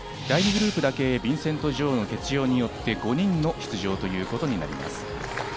第２グループだけビンセント・ジョウの欠場によって５人の出場ということになります。